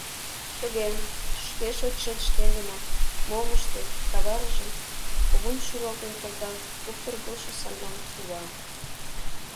— Туге, шке шочшет шкендынак, мом ыштет, каварыже, — кугун шӱлалтен колта куптыргылшо саҥган кува.